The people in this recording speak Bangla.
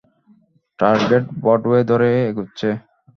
টার্গেট ব্রডওয়ে ধরে এগোচ্ছে।